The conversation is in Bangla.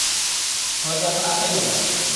হয়তো এখন আসাই হবে না।